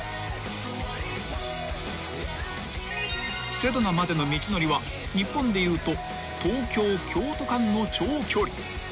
［セドナまでの道のりは日本でいうと東京・京都間の長距離］